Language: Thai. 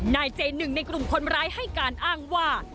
นายเจหนึ่งในกลุ่มคนร้ายให้การอ้างว่า